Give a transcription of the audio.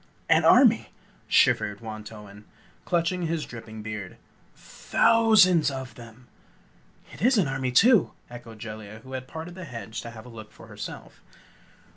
"An army!" shivered Wantowin, clutching his dripping beard "Thou sands of them!" "It is an army, too!" echoed Jellia, who had parted the hedge to have a look for herself.